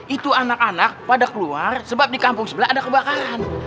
itu anak anak pada keluar sebab di kampung sebelah ada kebakaran